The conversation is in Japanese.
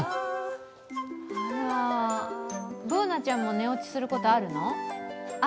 Ｂｏｏｎａちゃんも寝落ちすること開るの？